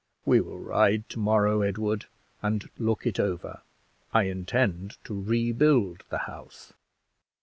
"We will ride to morrow, Edward, and look it over. I intend to rebuild the house."